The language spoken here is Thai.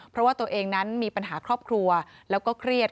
เพราะว่าตัวเองนั้นมีปัญหาครอบครัวแล้วก็เครียด